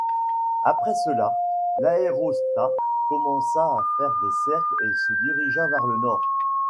Après cela, l'aérostat commença à faire des cercles et se dirigea vers le nord.